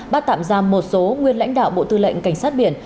bắt tạm ra một số nguyên lãnh đạo bộ tư lệnh cảnh sát biển